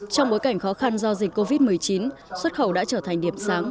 trong bối cảnh khó khăn do dịch covid một mươi chín xuất khẩu đã trở thành điểm sáng